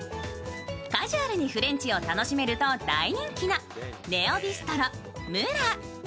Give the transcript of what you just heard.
カジュアルにフレンチを楽しめると大人気なネオビストロムラ。